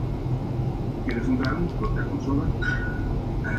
En la Universidad Católica de Chile realizó un posgrado en Desarrollo Urbano y Regional.